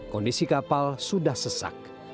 kondisi kapal sudah sesak